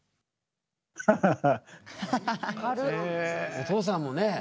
お父さんもね